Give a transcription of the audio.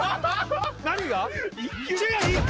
何が？